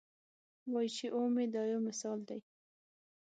وایي چې اومې دي دا یو مثال دی.